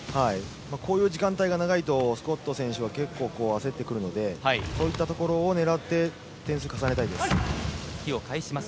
こういう時間帯が長いとスコット選手は結構焦ってくるのでそういったところを狙って点数を重ねたいです。